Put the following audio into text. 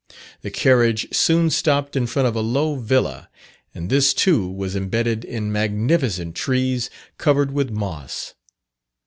The carriage soon stopped in front of a low villa, and this too was imbedded in magnificent trees covered with moss.